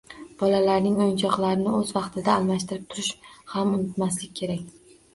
Bolalarning o‘yinchoqlarni o‘z vaqtida almashtirib turishni ham unutmaslik zarur.